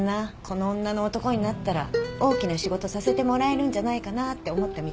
「この女の男になったら大きな仕事させてもらえるんじゃないかな」って思ったみたいよ。